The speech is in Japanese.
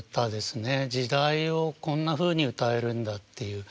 時代をこんなふうに歌えるんだっていう。